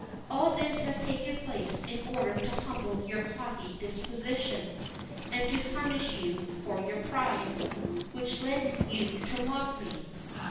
All this has taken place in order to humble your haughty disposition, and to punish you for your pride, which led you to mock me."